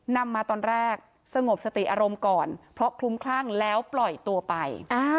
นำมาตอนแรกสงบสติอารมณ์ก่อนเพราะคลุ้มคลั่งแล้วปล่อยตัวไป